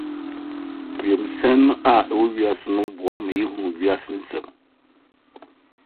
James G. Gamble, architect, was the clerk of works.